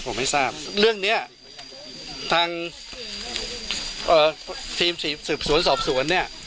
ผมไม่ทราบเรื่องเนี้ยทางเอ่อทีมสืบสวนสอบสวนเนี่ย